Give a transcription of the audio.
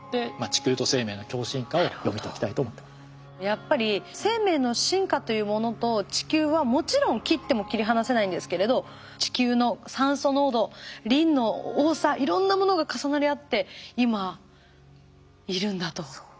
やっぱり生命の進化というものと地球はもちろん切っても切り離せないんですけれど地球の酸素濃度リンの多さいろんなものが重なり合って今いるんだと。